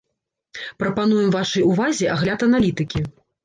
Прапануем вашай увазе агляд аналітыкі.